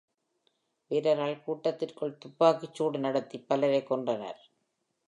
வீரர்கள் கூட்டத்திற்குள் துப்பாக்கிச் சூடு நடத்தி பலரைக் கொன்றனர்.